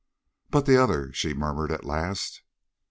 "But the other," she murmured at last.